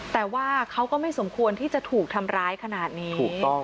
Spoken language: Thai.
แต่ว่าเขาก็ไม่สมควรที่จะถูกทำร้ายขนาดนี้